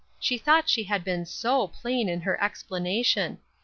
She thought she had been so plain in her explanation.